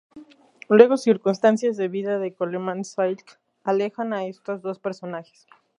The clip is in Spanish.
Luego, circunstancias de vida de Coleman Silk alejan a estos dos personajes.